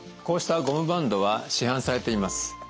こうしたゴムバンドは市販されています。